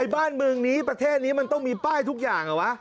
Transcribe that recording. บ้านเมืองนี้ประเทศนี้มันต้องมีป้ายทุกอย่างเหรอวะ